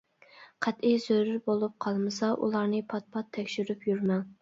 قەتئىي زۆرۈر بولۇپ قالمىسا ئۇلارنى پات-پات تەكشۈرۈپ يۈرمەڭ.